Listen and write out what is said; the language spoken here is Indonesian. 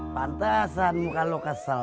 pantesan muka lu kesel